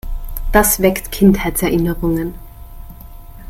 Das weckt Kindheitserinnerungen.